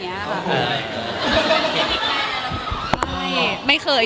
ถ้าได้มีคนเห็น